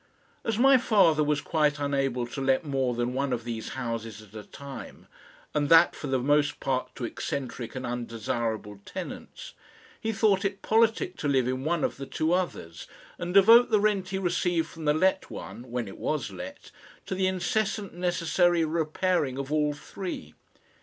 As my father was quite unable to let more than one of these houses at a time, and that for the most part to eccentric and undesirable tenants, he thought it politic to live in one of the two others, and devote the rent he received from the let one, when it was let, to the incessant necessary repairing of all three.